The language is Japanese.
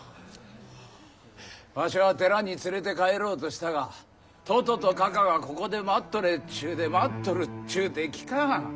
わしは寺に連れて帰ろうとしたがとととかかがここで待っとれっちゅうて待っとるっちゅうて聞かん。